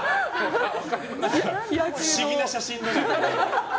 不思議な写真だね。